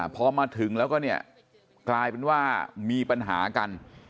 พอมาถึงแล้วก็เนี่ยกลายเป็นว่ามีปัญหากัน